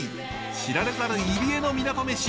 知られざる入り江の港メシ。